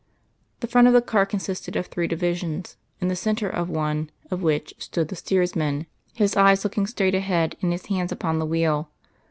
The front of the car consisted of three divisions, in the centre of one of which stood the steersman, his eyes looking straight ahead, and his hands upon the wheel.